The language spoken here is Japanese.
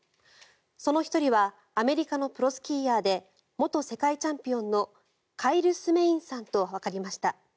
その１人はアメリカのプロスキーヤーで元世界チャンピオンのカイル・スメインさんとわかりました。